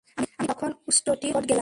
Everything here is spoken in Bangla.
আমি তখন উষ্ট্রটির নিকট গেলাম।